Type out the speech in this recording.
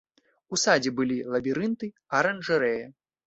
У садзе былі лабірынты, аранжарэя.